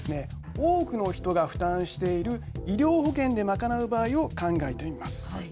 多くの人が負担している医療保険で賄う場合を考えてみます。